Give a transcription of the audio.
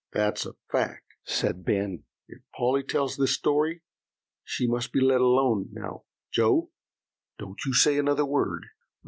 "That's a fact," said Ben. "If Polly tells this story, she must be let alone. Now, Joe, don't you say another word."